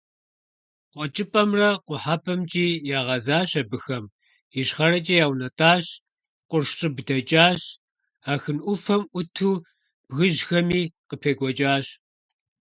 КъуэкӀыпӀэмрэ къухьэпӀэмкӀи ягъэзащ абыхэм, ищхъэрэкӀэ яунэтӀащ, къурш щӀыб дэкӀащ, Ахын Ӏуфэм Ӏуту бгыжьхэми къыпекӀуэкӀащ.